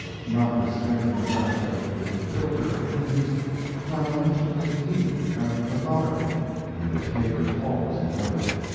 Notwithstanding the fact that he was a builder of dreams, Clemens was neat and methodical, with his papers always in order.